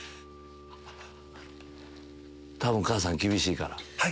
多分母さん厳しいから。